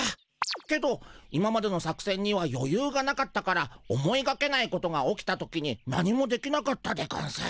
けど今までの作せんにはよゆうがなかったから思いがけないことが起きた時に何もできなかったでゴンス。